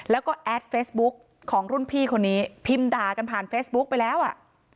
แล้วก็แอดเฟซบุ๊กของรุ่นพี่คนนี้พิมพ์ด่ากันผ่านเฟซบุ๊กไปแล้วอ่ะ